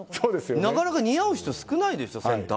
なかなか似合う人少ないですよ。